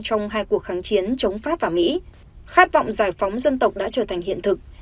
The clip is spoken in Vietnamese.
trong hai cuộc kháng chiến chống pháp và mỹ khát vọng giải phóng dân tộc đã trở thành hiện thực